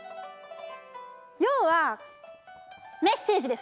要はメッセージです